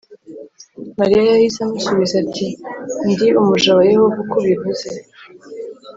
Mariya yahise amusubiza ati ndi umuja wa yehova uko ubivuze